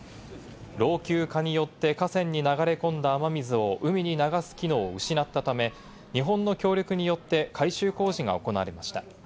老朽化によって河川に流れ込んだ雨水を海に流す機能を失ったため、日本の協力によって改修工事が行われました。